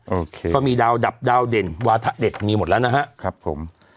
โอเคก็มีดาวดับดาวเด่นวาทะเด็ดมีหมดแล้วนะฮะครับผม